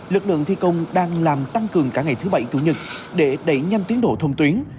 lực lượng thi công đang làm tăng cường cả ngày thứ bảy chủ nhật để đẩy nhanh tiến độ thông tuyến